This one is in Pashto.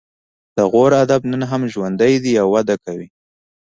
د غور ادب نن هم ژوندی دی او وده کوي